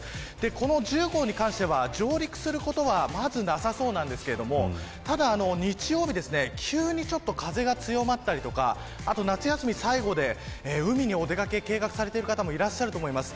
この１０号に関しては上陸することはまずなさそうなんですけれどもただ、日曜日に急に風が強まったりとかあと夏休み最後で海にお出掛け計画されている方もいらっしゃると思います。